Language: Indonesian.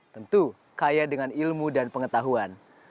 tentu kaya dengan ilmu dan pengetahuan